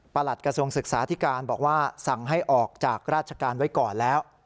กระทรวงศึกษาธิการบอกว่าสั่งให้ออกจากราชการไว้ก่อนแล้ว